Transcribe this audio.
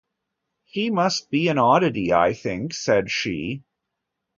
“He must be an oddity, I think,” said she.